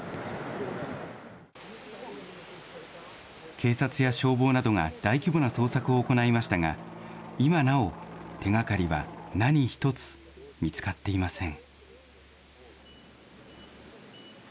警察や消防などが大規模な捜索を行いましたが、今なお手がかりは何一つ見つかっていません。